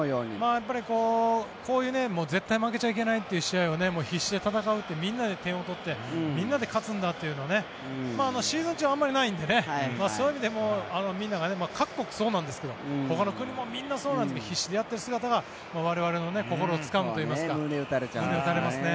こういう、絶対負けちゃいけないという試合を必死で戦うってみんなで点を取ってみんなで勝つんだってシーズン中、あまりないので各国そうなんですがほかの国もみんなそうなんですが必死でやっている姿が我々の心をつかむというか胸を打たれますね。